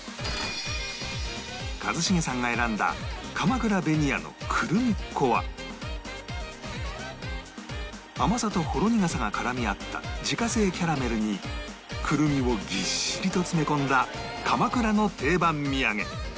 一茂さんが選んだ鎌倉紅谷のクルミッ子は甘さとほろ苦さが絡み合った自家製キャラメルにクルミをぎっしりと詰め込んだ鎌倉の定番土産